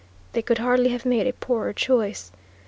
They could hardly have made a poorer choice.